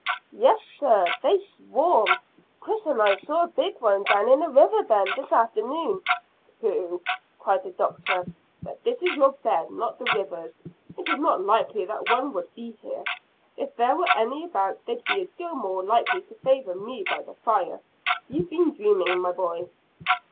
"Yes, sir; they swarm. Chris and I saw a big one down in the river bed this afternoon." "Pooh!" cried the doctor. "But this is your bed, not the river's. It is not likely that one would be here. If there were any about, they'd be a deal more likely to favour me by the fire. You've been dreaming, my boy."